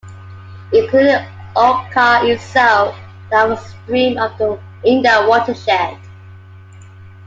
Including the Oatka itself, there are of stream in the watershed.